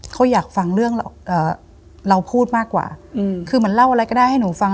เขาอยากฟังเรื่องเราพูดมากกว่าอืมคือเหมือนเล่าอะไรก็ได้ให้หนูฟัง